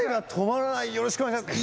よろしくお願いします！